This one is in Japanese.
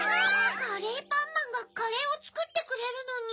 カレーパンマンがカレーをつくってくれるのに。